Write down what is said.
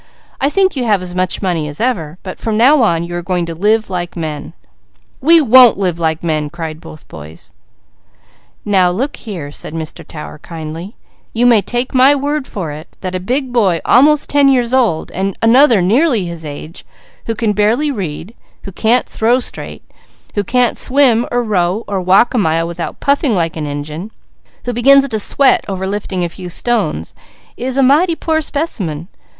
I think you have as much money as ever, but from now on, you are going to live like men." "We won't live like men!" cried both boys. "Now look here," said Mr. Tower kindly, "you may take my word for it that a big boy almost ten years old, and another nearly his age, who can barely read, who can't throw straight, who can't swim, or row, or walk a mile without puffing like an engine, who begins to sweat over lifting a few stones, is a mighty poor specimen.